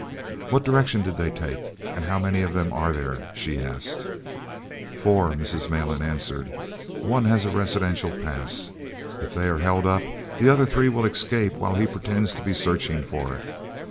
"What direction did they take, and how many of them are there?" she asked. "Four," Mrs. Malan answered. "One has a residential pass. If they are held up, the other three will escape while he pretends to be searching for it.